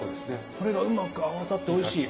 それがうまく合わさっておいしい。